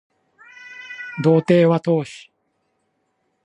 道程は遠し